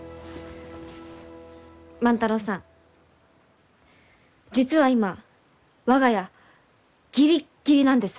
万太郎さん実は今我が家ギリッギリなんです。